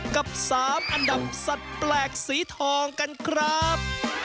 กับ๓อันดับสัตว์แปลกสีทองกันครับ